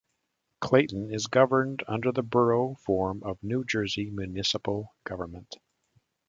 Clayton is governed under the Borough form of New Jersey municipal government.